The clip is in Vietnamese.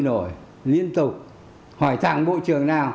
nổi liên tục hỏi thẳng bộ trường nào